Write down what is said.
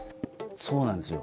そうなんですよ。